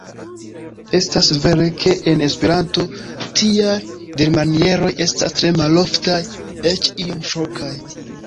Estas vere, ke en Esperanto, tiaj dirmanieroj estas tre maloftaj, eĉ iom ŝokaj.